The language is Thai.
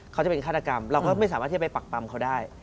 เขาจะเป็นฆาตกรรมเราก็ไม่สามารถที่จะไปปักปำเขาได้